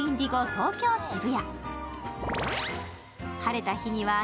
東京渋谷。